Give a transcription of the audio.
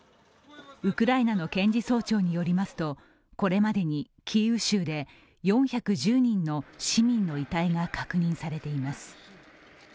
ウクライナの検事総長によりますと、これまでにキーウ州で４１０人の市民の遺体が確認されています。